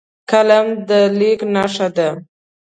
قلم د لیک نښه ده